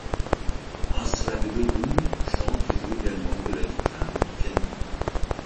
Aslak Dørum chante et joue également de la guitare et du piano.